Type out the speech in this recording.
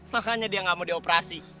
makanya dia nggak mau dioperasi